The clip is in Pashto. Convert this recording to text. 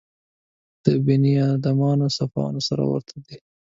د بني ادمانو صفاتو سره ورته دي.